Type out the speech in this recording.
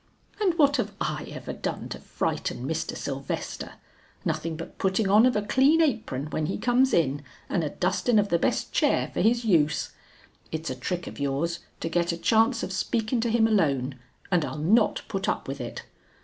"And what have I ever done to frighten Mr. Sylvester? Nothing but putting on of a clean apron, when he comes in and a dustin' of the best chair for his use. It's a trick of yours to get a chance of speakin' to him alone, and I'll not put up with it.